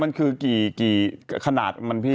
มันคือกี่ขนาดมันพี่